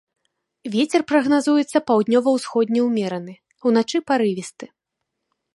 Вецер прагназуецца паўднёва-ўсходні ўмераны, уначы парывісты.